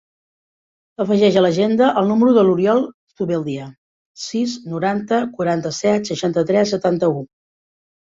Afegeix a l'agenda el número de l'Oriol Zubeldia: sis, noranta, quaranta-set, seixanta-tres, setanta-u.